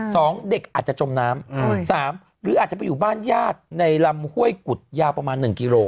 สองเด็กอาจจะจมน้ำอืมสามหรืออาจจะไปอยู่บ้านญาติในลำห้วยกุฎยาวประมาณหนึ่งกิโล